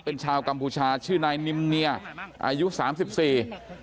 เป็นชาวกัมพูชาชื่อนายนิมเนียอายุสามสิบสี่